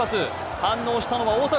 反応したのは大迫。